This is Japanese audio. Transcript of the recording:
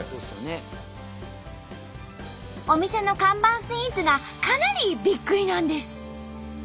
お店の看板スイーツがかなりびっくりなんです。